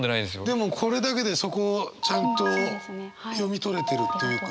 でもこれだけでそこをちゃんと読み取れてるっていうか。